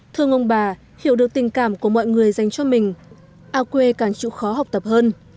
thưa ông bà hiểu được tình cảm của mọi người dành cho mình ao quê càng chịu khó học tập hơn